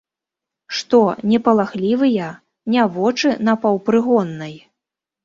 Што, не палахлівыя, не вочы напаўпрыгоннай?